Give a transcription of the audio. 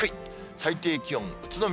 最低気温、宇都宮、